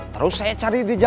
terus saya cari cari dompetnya